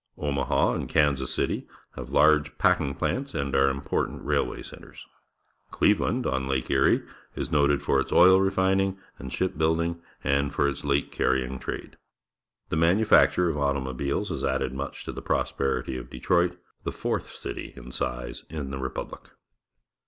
Omaha and Kansas City have large packing plants and are important railway centres. ClevehuKi, on Lake Erie, is noted for its oil refining and Steamers along ih.'~ R. .' i front. New Orleani ship building and for its lake carrying trade. The manufacture of automobiles has added much to the prosperity of Detroit, the fourth city in size in the Republic.